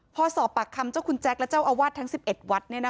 พอสอบปากคำเจ้าคุณแจ๊คและเจ้าอาวาสทั้ง๑๑วัด